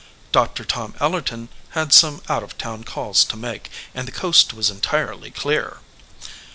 Doctor Tom Ellerton had some out of town calls to make, and the coast was entirely clear.